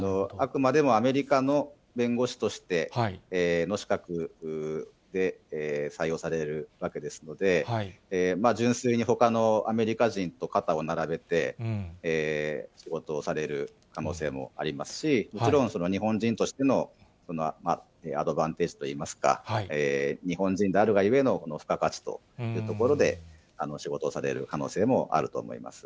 あくまでもアメリカの弁護士としての資格で採用されるわけですので、純粋にほかのアメリカ人と肩を並べて、仕事をされる可能性もありますし、もちろん、その日本人としてのアドバンテージといいますか、日本人であるがゆえの付加価値というところで、仕事をされる可能性もあると思い